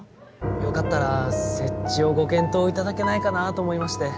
よかったら設置をご検討いただけないかなと思いまして。